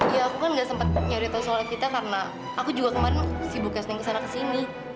ya aku kan gak sempat nyuruh tau soal evita karena aku juga kemarin sibuknya seneng kesana kesini